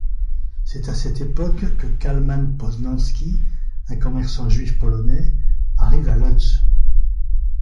C'est à cette époque que Kalman Poznański, un commerçant Juif polonais, arrive à Łódź.